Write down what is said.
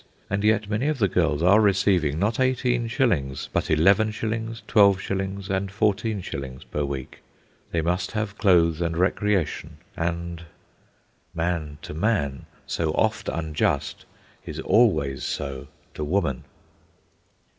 And yet many of the girls are receiving, not eighteen shillings, but eleven shillings, twelve shillings, and fourteen shillings per week. They must have clothes and recreation, and— Man to Man so oft unjust, Is always so to Woman.